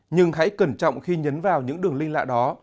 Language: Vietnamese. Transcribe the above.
nhưng hãy cẩn trọng khi nhấn vào những đường lin lạ đó